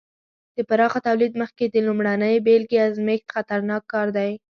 د پراخه تولید مخکې د لومړنۍ بېلګې ازمېښت خطرناک کار دی.